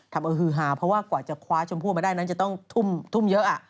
ทำเอาฮือหาเพราะว่ากว่าจะคว้าชมพู่มาได้นั้นจะต้องทุ่มเยอะ